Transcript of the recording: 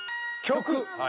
「曲」。